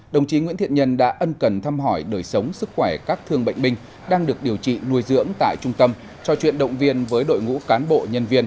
đồng chí nguyễn thiện nhân đã ân cần thăm hỏi đời sống sức khỏe các thương bệnh binh